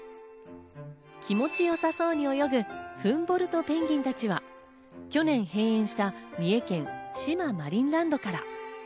気持ち良さそうに泳ぐフンボルトペンギンたちは、去年閉園した、三重県の志摩マリンランドから。